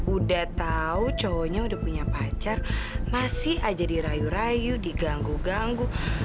udah tahu cowoknya udah punya pacar masih aja dirayu rayu diganggu ganggu